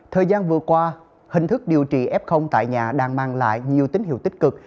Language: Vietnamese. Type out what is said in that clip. thời gian vừa qua hình thức điều trị f tại nhà đang mang lại nhiều tín hiệu tích cực